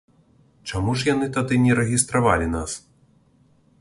Чаму ж яны тады не рэгістравалі нас?